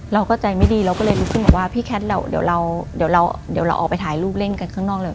เราก็ใจไม่ดีเราก็เลยรู้สึกว่าว่าพี่แคทเดี๋ยวเราออกไปถ่ายรูปเล่นกันข้างนอกเลย